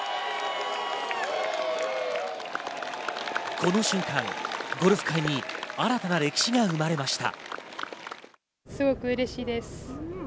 この瞬間、ゴルフ界に新たな歴史が生まれました。